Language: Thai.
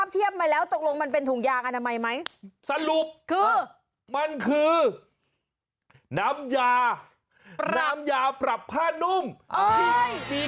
แสดงว่ามันต้องมีประโยคกว่านี้